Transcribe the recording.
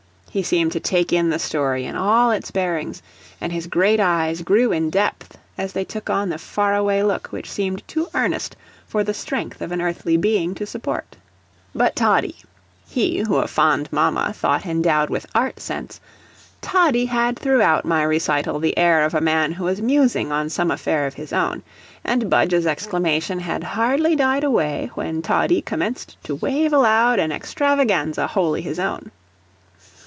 He seemed to take in the story in all its bearings, and his great eyes grew in depth as they took on the far away look which seemed too earnest for the strength of an earthly being to support. But Toddie, he who a fond mama thought endowed with art sense, Toddie had throughout my recital the air of a man who was musing on some affair of his own, and Budge's exclamation had hardly died away, when Toddie commenced to wave aloud an extravaganza wholly his own.